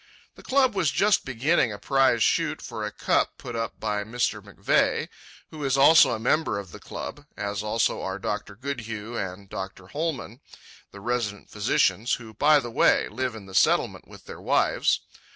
The club was just beginning a prize shoot for a cup put up by Mr. McVeigh, who is also a member of the club, as also are Dr. Goodhue and Dr. Hollmann, the resident physicians (who, by the way, live in the Settlement with their wives).